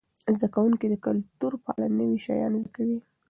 زده کوونکي د کلتور په اړه نوي شیان زده کوي.